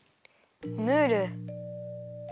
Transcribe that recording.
ムール。